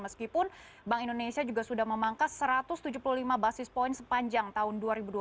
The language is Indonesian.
meskipun bank indonesia juga sudah memangkas satu ratus tujuh puluh lima basis point sepanjang tahun dua ribu dua puluh